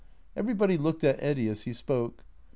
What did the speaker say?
Everybody looked at Eddy as he spoke.